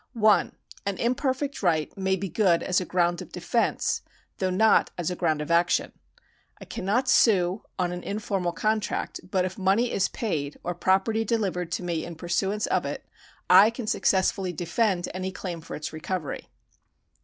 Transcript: L An imperfect right may be good as a ground of defence, though not as a ground of action. I cannot sue on an in formal contract, but if money is paid or property delivered to me in pursuance of it, I can successfully defend any claim for its recovery.